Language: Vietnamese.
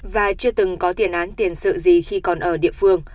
và chưa từng có tiền án tiền sự gì khi còn ở địa phương